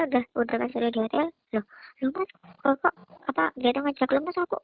gede kayak gitu loh pak